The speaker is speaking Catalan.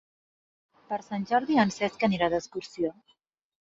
Per Sant Jordi en Cesc anirà d'excursió.